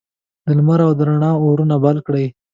د لمر او د روڼا اورونه بل کړي